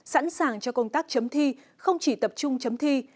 sẵn sàng cho công tác chấm thi không chỉ tập trung chấm thi